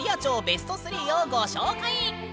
ベスト３をご紹介！